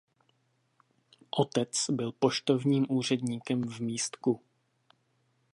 Otec byl poštovním úředníkem v Místku.